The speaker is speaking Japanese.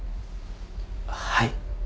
はい？